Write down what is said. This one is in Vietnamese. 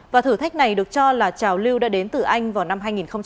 và thử thách này được cho là trào lưu đã đến từ anh vào năm hai nghìn một mươi sáu